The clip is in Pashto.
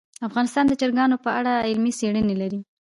افغانستان د چرګان په اړه علمي څېړنې لري.